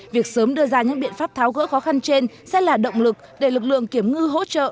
việc sớm đưa ra những biện pháp tháo gỡ khó khăn trên sẽ là động lực để lực lượng kiểm ngư hỗ trợ